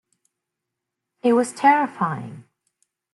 It was terrifying.